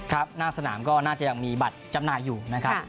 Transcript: หน้าสนามก็น่าจะยังมีบัตรจำหน่ายอยู่นะครับ